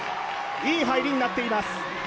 いい入りになっています。